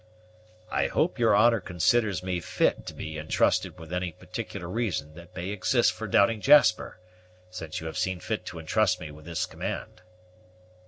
"I hope your honor considers me fit to be entrusted with any particular reason that may exist for doubting Jasper, since you have seen fit to entrust me with this command."